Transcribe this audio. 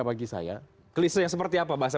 bagaimana dengan politik hukum